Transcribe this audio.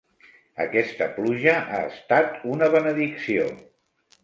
Aquesta pluja ha estat una benedicció.